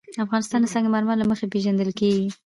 افغانستان د سنگ مرمر له مخې پېژندل کېږي.